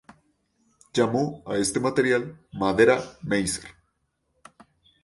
Llamó a este material "madera Mazer".